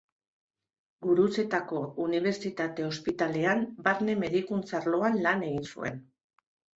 Gurutzetako Unibertsitate Ospitalean barne-medikuntza arloan lan egin zuen.